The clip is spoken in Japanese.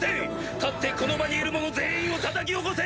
立ってこの場にいる者全員をたたき起こせ！